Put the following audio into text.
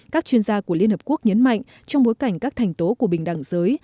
các chuyên gia của liên hợp quốc nhấn mạnh trong bối cảnh các thành tố của bình đẳng giới